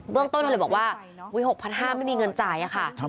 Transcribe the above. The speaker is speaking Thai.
เรื่องต้นเราเลยบอกว่าวิหกพันห้าไม่มีเงินจ่ายค่ะ